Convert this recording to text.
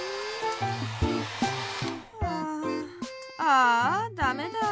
ああダメだ。